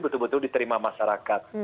ini terima masyarakat